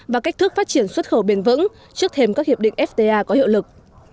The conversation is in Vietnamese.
và cách thức phát triển xuất khẩu bền vững trước thêm các hiệp định fta có hiệu lực